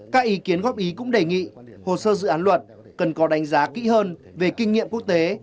các ý kiến góp ý cũng đề nghị hồ sơ dự án luật cần có đánh giá kỹ hơn về kinh nghiệm quốc tế